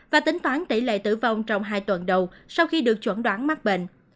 và tính toán tỷ lệ tử vong trong hai tuần đầu sau khi được chuẩn đoán mắc bệnh